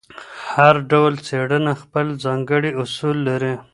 هر ډول څېړنه خپل ځانګړي اصول لري.